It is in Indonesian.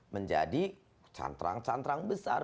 menjadi cantrang cantrang besar